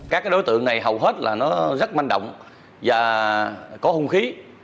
các đối tượng này hầu hết là nó rất manh động và có hung khí